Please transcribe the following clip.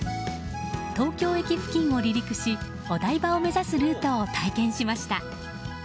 東京駅付近を離陸しお台場を目指すルートを体験しました。